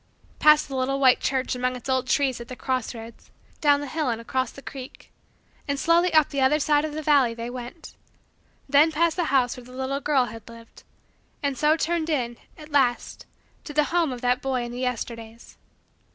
Past the little white church among its old trees at the cross roads; down the hill and across the creek; and slowly up the other side of the valley they went: then past the house where the little girl had lived; and so turned in, at last, to the home of that boy in the Yesterdays.